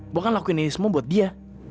gue kan lakuin ini semua buat dia